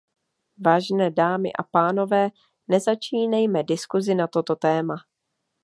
Vážené dámy a pánové, nezačínejme diskusi na toto téma.